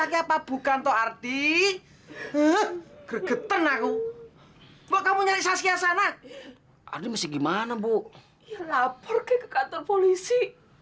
ya lapor kayak ke kantor polisi